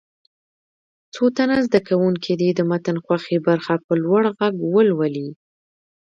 څو تنه زده کوونکي دې د متن خوښې برخه په لوړ غږ ولولي.